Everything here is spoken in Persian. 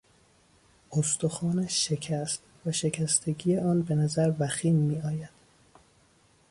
استخوانش شکست و شکستگی آن به نظر وخیم میآید.